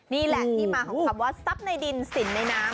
นี่แหละที่มาของคำว่าทรัพย์ในดินสินในน้ำ